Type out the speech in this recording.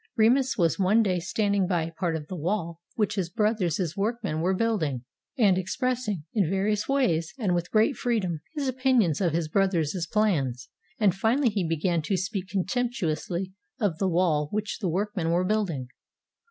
Remus was one day standing by a part of the wall which his brother's workmen were building, and expressing, in various ways, and with great freedom, his opinions of his brother's plans; and finally he began to speak contemptuously of the wall which the workmen were building.